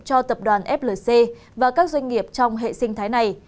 cho tập đoàn flc và các doanh nghiệp trong hệ sinh thái này